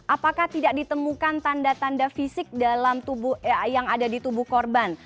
apakah tidak ditemukan tanda tanda fisik yang ada di tubuh korban